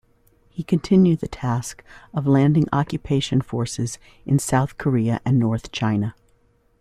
He continued the task of landing occupation forces in South Korea and North China.